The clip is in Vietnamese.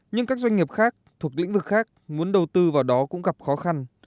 nhưng các doanh nghiệp khác thuộc lĩnh vực khác muốn đầu tư vào đó cũng gặp khó khăn